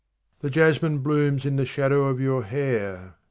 47 The jasmine blooms in the shadow of your hair